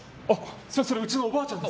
すみません、それうちのおばあちゃんです。